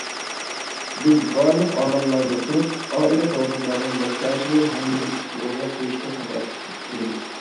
بىز بارلىق ئاماللارنى قىلىپ، ئائىلە تاۋابىئاتلارنىڭ مەنپەئەتىنى ھەممىدىن ئۈستۈن ئورۇنغا قويۇشقا كاپالەت بېرىمىز.